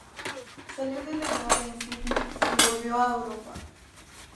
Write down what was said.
Salió de la nave en Sydney y volvió a Europa.